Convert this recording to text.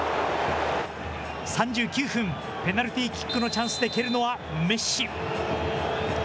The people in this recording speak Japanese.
３９分、ペナルティーキックのチャンスで、蹴るのはメッシ。